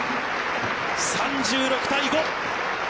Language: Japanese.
３６対５。